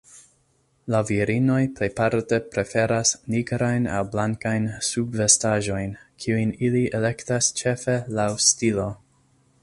La virinoj plejparte preferas nigrajn aŭ blankajn subvestaĵojn, kiujn ili elektas ĉefe laŭ stilo.